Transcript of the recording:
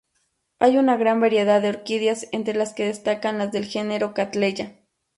Hay una gran variedad de orquídeas entre las que destacan las del genero Cattleya.